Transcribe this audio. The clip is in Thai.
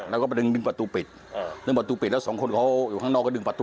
แล้วก็ไปดึงดึงประตูปิดดึงประตูปิดแล้วสองคนเขาอยู่ข้างนอกก็ดึงประตู